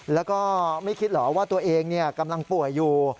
แล้วก็ไม่คิดเหรอว่าตัวเองกำลังป่วยอยู่